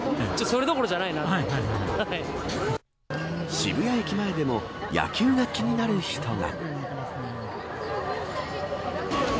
渋谷駅前でも野球が気になる人が。